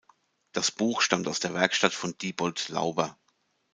Das Buch stammt aus der Werkstatt von Diebold Lauber.